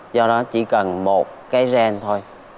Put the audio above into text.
do đó chỉ cần một cái gen thôi